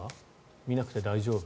見なくて大丈夫？